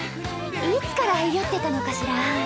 いつから酔ってたのかしら？